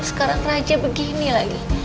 sekarang raja begini lagi